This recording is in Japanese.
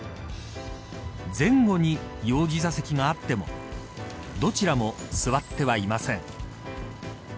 前後に幼児座席があってもどちらも座ってはいません。